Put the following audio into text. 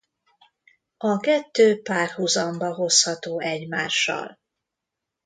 A kettő párhuzamba hozható egymással.